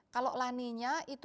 kalau laninya itu